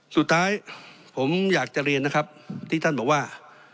สุดท้ายผมอยากจะเรียนนะครับที่ท่านบอกว่า